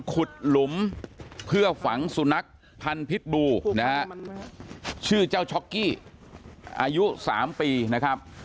หลุมเพื่อฝังสุนัขพันธ์พิษบูนะฮะชื่อเจ้าช็อกกี้อายุ๓ปีนะครับ